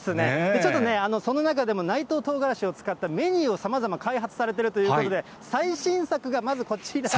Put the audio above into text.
ちょっとその中でも内藤とうがらしを使ったメニューをさまざま開発されているということで、最新作がまずこちら。